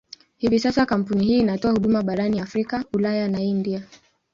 Hivi sasa kampuni hii inatoa huduma barani Afrika, Ulaya na India.